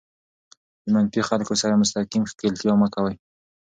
د منفي خلکو سره مستقیم ښکېلتیا مه کوئ.